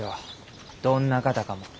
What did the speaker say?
どんな方かも。